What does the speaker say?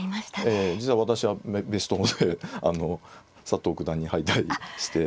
実は私はベスト４で佐藤九段に敗退して。